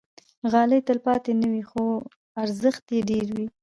غالۍ تل تلپاتې نه وي، خو ارزښت یې ډېر وي.